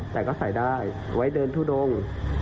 แต่ก็ใส่ได้ไว้เดินทุดง